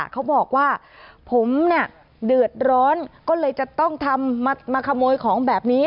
เขาบอกว่าผมเนี่ยเดือดร้อนก็เลยจะต้องทำมาขโมยของแบบนี้